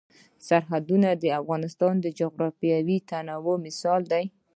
سرحدونه د افغانستان د جغرافیوي تنوع مثال دی.